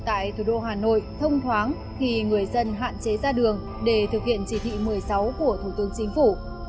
tại thủ đô hà nội thông thoáng khi người dân hạn chế ra đường để thực hiện chỉ thị một mươi sáu của thủ tướng chính phủ